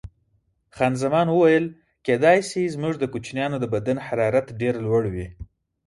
خان زمان وویل: کېدای شي، زموږ د کوچنیانو د بدن حرارت ډېر لوړ وي.